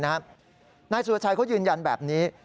นายสุรชัยเขายืนยันแบบนี้